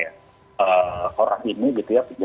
jadi placement itu katakanlah upaya ya